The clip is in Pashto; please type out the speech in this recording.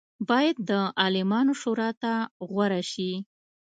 باید د عالمانو شورا ته غوره شي.